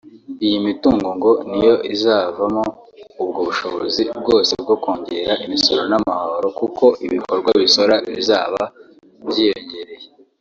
Iyi mitungo ngo niyo izavamo ubwo bushobozi bwose bwo kongera imisoro n’amahoro kuko ibikorwa bisora bizaba byiyongereye